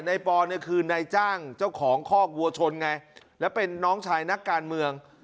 ปอเนี่ยคือนายจ้างเจ้าของคอกวัวชนไงแล้วเป็นน้องชายนักการเมือง